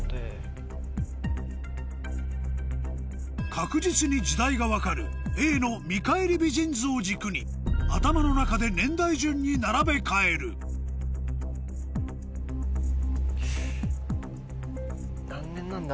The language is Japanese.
確実に時代が分かるＡの「見返り美人図」を軸に頭の中で年代順に並べ替える何年なんだ？